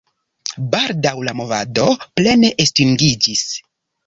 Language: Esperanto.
Baldaŭ la movado plene estingiĝis.